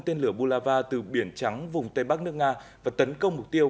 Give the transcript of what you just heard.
tên lửa bulava từ biển trắng vùng tây bắc nước nga và tấn công mục tiêu